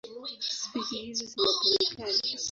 Spishi hizi zina pembe kali.